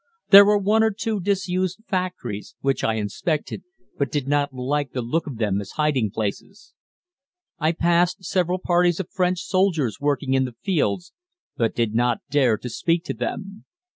There were one or two disused factories, which I inspected, but did not like the look of them as hiding places. I passed several parties of French soldiers working in the fields, but did not dare to speak to them.